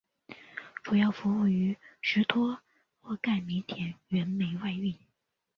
主要服务于和什托洛盖煤田原煤外运。